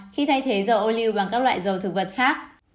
khi thay thế dầu âu lưu bằng các loại dầu thực vật khác